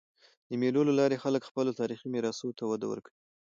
د مېلو له لاري خلک خپلو تاریخي میراثونو ته وده ورکوي.